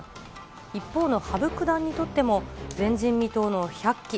一方の羽生九段にとっても、前人未到の１００期。